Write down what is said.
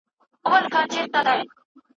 ګډو هڅو هېواد وژغوره.